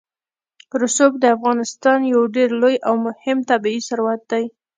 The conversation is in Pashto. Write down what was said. رسوب د افغانستان یو ډېر لوی او مهم طبعي ثروت دی.